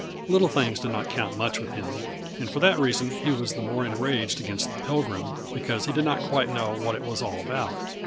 Little things did not count much with him, and for that reason he was the more enraged against the Pilgrim, because he did not quite know what it was all about.